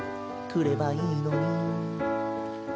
「くればいいのに」